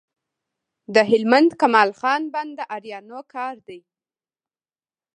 د هلمند کمال خان بند د آرینو کار دی